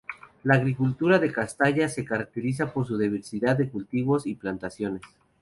La agricultura de Castalla se caracteriza por su diversidad de cultivos y plantaciones.